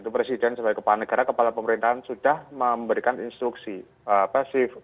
presiden sebagai kepala negara kepala pemerintahan sudah memberikan instruksi pasif